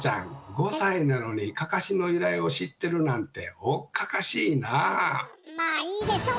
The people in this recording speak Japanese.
５歳なのに「かかし」の由来を知ってるなんてまあいいでしょう！